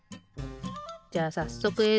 じゃあさっそくえい